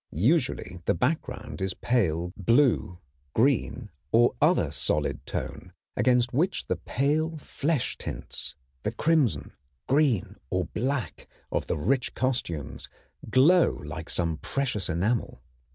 Usually the background is pale blue, green, or other solid tone, against which the pale flesh tints, with crimson, green, or black of the rich costumes, glow like some precious enamel.